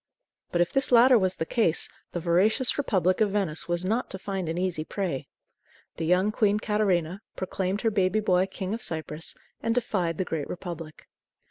But if this latter was the case, the voracious Republic of Venice was not to find an easy prey. The young Queen Catarina proclaimed her baby boy King of Cyprus, and defied the Great Republic.